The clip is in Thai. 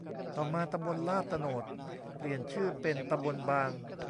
ต่อมา ตำบลลาดโตนดเปลี่ยนชื่อเป็น ตำบลบาง